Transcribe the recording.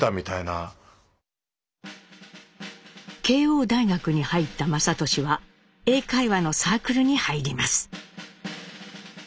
慶應大学に入った雅俊は英会話のサークルに入ります。